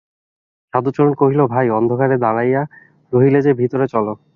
সাধুচরণ কহিল, ভাই, অন্ধকারে দাঁড়াইয়া রহিলে যে, ভিতরে চলো।